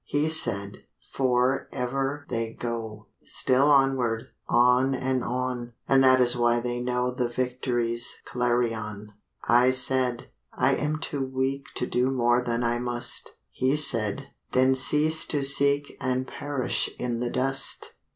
He said, 'For ever they go, Still onward, on and on; And that is why they know The victory's clarion.' I said, 'I am too weak To do more than I must.' He said, 'Then cease to seek And perish in the dust.